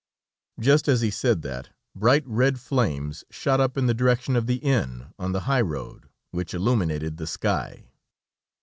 Just as he said that, bright, red flames shot up in the direction of the inn on the high road, which illuminated the sky.